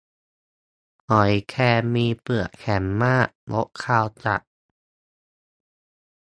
หอยแครง มีเปลือกแข็งมาก รสคาวจัด